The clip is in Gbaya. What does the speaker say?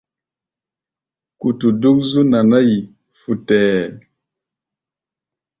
Kutu dúk zú naná-yi futɛɛ.